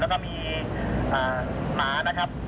แล้วก็มีหมานะครับ